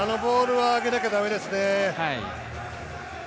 あのゴールは上げなきゃダメですね。